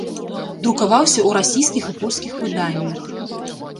Друкаваўся ў расійскіх і польскіх выданнях.